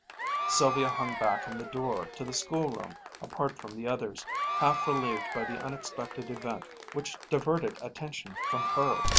Sylvia hung back in the door to the schoolroom, apart from the others, half relieved by the unexpected event which diverted attention from her.